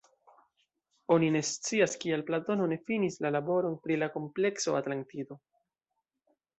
Oni ne scias, kial Platono ne finis la laboron pri la komplekso Atlantido.